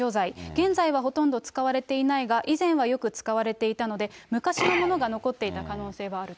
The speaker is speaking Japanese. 現在はほとんど使われていないが、以前はよく使われていたので、昔のものが残っていた可能性はあると。